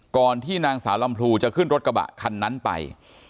ที่นางสาวลำพลูจะขึ้นรถกระบะคันนั้นไป